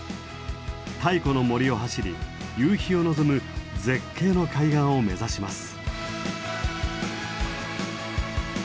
太古の森を走り夕日を望む絶景の海岸を目指します。